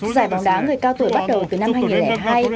giải bóng đá người cao tuổi bắt đầu từ năm hai nghìn hai